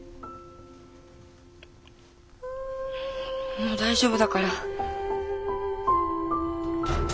もう大丈夫だから。